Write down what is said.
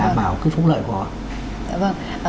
và đảm bảo cư phúc lợi của họ